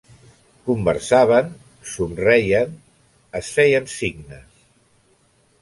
Conversaven, somreien, es feien signes…